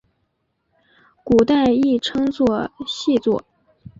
古代亦称作细作。